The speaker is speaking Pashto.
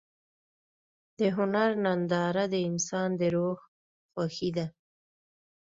د هنر ننداره د انسان د روح خوښي ده.